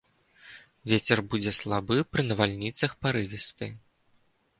Вецер будзе слабы, пры навальніцах парывісты.